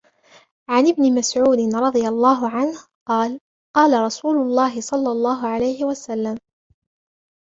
عنْ ابنِ مسعودٍ رَضِي اللهُ عَنْهُ قالَ: قالَ رسولُ اللهِ صَلَّى اللهُ عَلَيْهِ وَسَلَّمَ: